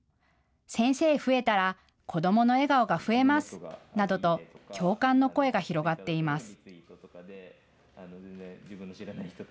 先生増えたら子どもの笑顔が増えますなどと共感の声が広がっています。